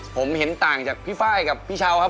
ผมเห็นต่างจากพี่ไฟล์กับพี่เช้าครับ